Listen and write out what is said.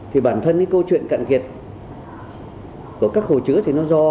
thì bản thân cái câu chuyện cạn kiệt của các hồ chứa thì nó do